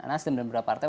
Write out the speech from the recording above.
nasdem dan beberapa partai